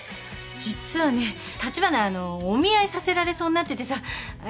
実はね立花お見合いさせられそうになっててさあ